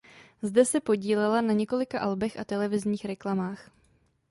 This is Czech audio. Zde se podílela na několika albech a televizních reklamách.